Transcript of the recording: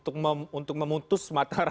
artinya agak sulit ya untuk memutus mata rantai ini